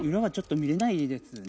見えないですね。